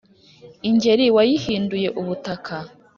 ingeri wayihinduye ubutaka.